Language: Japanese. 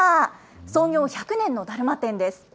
創業１００年のだるま店です。